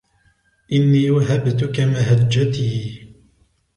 إني وهبتك مهجتي